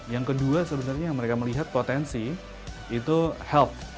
yang kedua sebenarnya yang mereka melihat potensi itu health